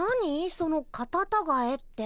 そのカタタガエって。